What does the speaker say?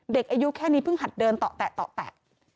เด็กอายุแค่นี้เพิ่งหัดเดินต่อแตะ